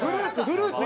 フルーツ。